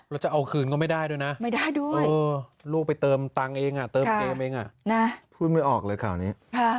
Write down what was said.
แล้วจะเอาคืนก็ไม่ได้ด้วยนะลูกไปเติมเงินเองพูดไม่ออกเลยข่าวนี้